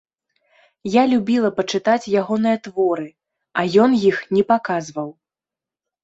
Я любіла пачытаць ягоныя творы, а ён іх не паказваў.